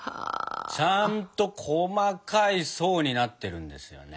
ちゃんと細かい層になってるんですよね。